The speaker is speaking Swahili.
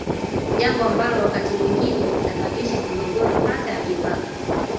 Jambo ambalo wakati mwingine husababisha migogoro hasa ya mipaka